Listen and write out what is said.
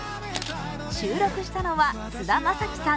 収録したのは、菅田将暉さん、